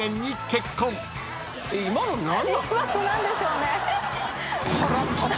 今の何でしょうね。